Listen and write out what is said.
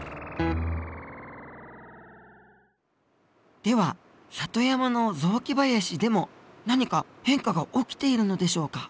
では里山の雑木林でも何か変化が起きているのでしょうか？